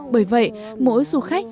bởi vậy mỗi du khách